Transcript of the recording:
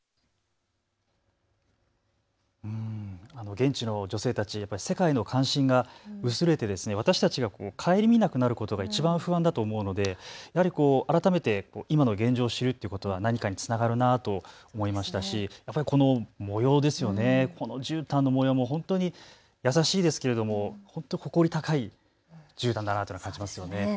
現地の女性たち、世界の関心が薄れて私たちが顧みなくなることがいちばん不安だと思うのでやはり改めて今の現状を知るということが何かにつながるなと思いましたし、やはりこの模様、このじゅうたんの模様も本当に優しいですけれども誇り高いじゅうたんだなというふうに感じますね。